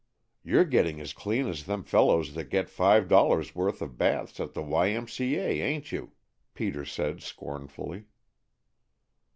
"You 're getting as clean as them fellows that get five dollars' worth of baths at the Y. M. C. A., ain't you?" Peter said scornfully.